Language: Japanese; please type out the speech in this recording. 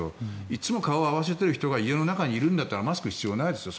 いつも顔を合わせている人が家の中にいるんだったらマスクは必要ないですよ。